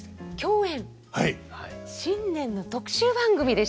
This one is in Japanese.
新年の特集番組でしたね去年の。